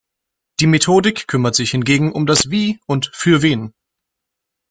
Die Methodik kümmert sich hingegen um das Wie und Für-Wen.